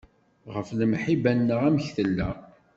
Ɣef lemḥibba neɣ amek tella.